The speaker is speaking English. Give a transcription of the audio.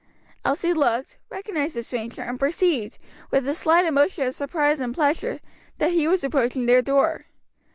Elsie looked, recognized the stranger, and perceived, with a slight emotion of surprise and pleasure, that he was approaching their door.